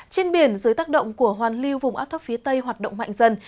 trên biển dưới tác động của hoàn lưu vùng áp thấp phía tây hoạt động mạnh dần